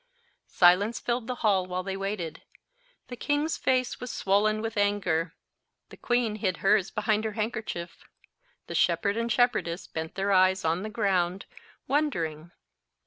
Silence filled the hall while they waited. The king's face was swollen with anger. The queen hid hers behind her handkerchief. The shepherd and shepherdess bent their eyes on the ground, wondering.